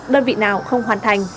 đơn vị nào không hoàn thành